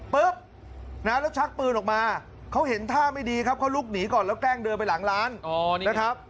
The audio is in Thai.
ปุ๊บนะแล้วชักปืนออกมาเขาเห็นท่าไม่ดีครับเขาลุกหนีก่อนแล้วแกล้งเดินไปหลังร้านนะครับ